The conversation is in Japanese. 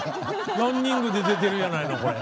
「ランニングで出てるやないのこれ」。